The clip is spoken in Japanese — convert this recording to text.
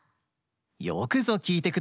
よくぞきいてくださいました！